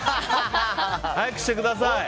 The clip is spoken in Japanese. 早くしてください！